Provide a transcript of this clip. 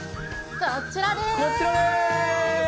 こちらです。